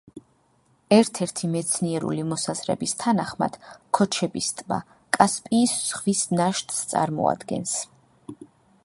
ერთ-ერთი მეცნიერული მოსაზრების თანახმად, ქოჩების ტბა კასპიის ზღვის ნაშთს წარმოადგენს.